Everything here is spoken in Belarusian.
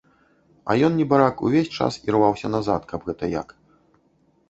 А ён, небарак, увесь час ірваўся назад каб гэта як.